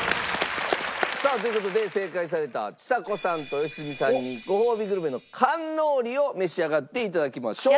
さあという事で正解されたちさ子さんと良純さんにごほうびグルメのカンノーリを召し上がって頂きましょう。